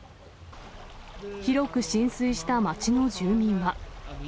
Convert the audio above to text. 広く浸水した町の住民は。